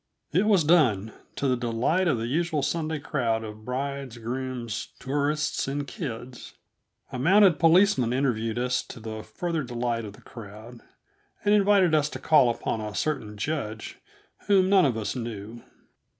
It was done, to the delight of the usual Sunday crowd of brides, grooms, tourists, and kids. A mounted policeman interviewed us, to the further delight of the crowd, and invited us to call upon a certain judge whom none of us knew.